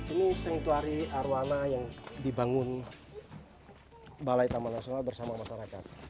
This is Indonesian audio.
ini sengtuari arowana yang dibangun balai taman nasional bersama masyarakat